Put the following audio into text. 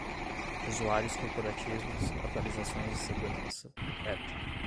usuários corporativos, atualizações de segurança, beta